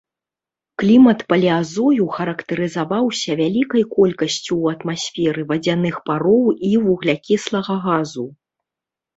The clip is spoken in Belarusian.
Клімат палеазою характарызаваўся вялікай колькасцю ў атмасферы вадзяных пароў і вуглякіслага газу.